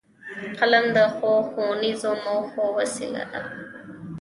قلم د ښو ښوونیزو موخو وسیله ده